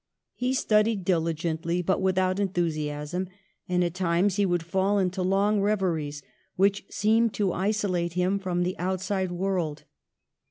He studied diligently, but without enthusiasm, and at times he would fall into long reveries, which seemed to isolate him from the outside world.